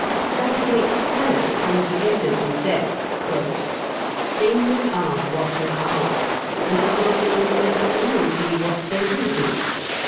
As a great prelate unforgettably said, "Things are what they are, and the consequences of them will be what they will be.